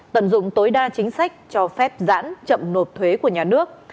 tận dụng tối đa chính sách cho phép giãn chậm nộp thuế của nhà nước